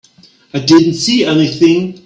I didn't see anything.